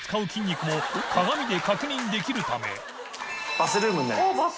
バスルームになります。